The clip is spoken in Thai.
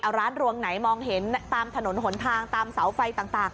เอาร้านรวงไหนมองเห็นตามถนนหนทางตามเสาไฟต่าง